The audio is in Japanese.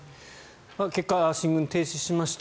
結果、進軍停止しました。